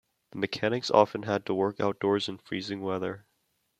The mechanics often had to work outdoors in freezing weather.